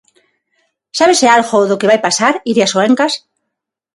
Sábese algo do que vai pasar, Iria Soengas?